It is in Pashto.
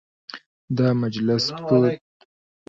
دا مجلس په داسي حال کي ترسره سو،